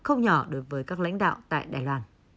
không nhỏ đối với các lãnh đạo tại đài loan